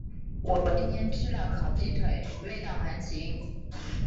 我今天吃了烤鸡腿，味道还行。